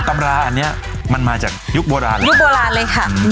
ตำราอันนี้มันมาจากยุคโบราณเลยยุคโบราณเลยค่ะ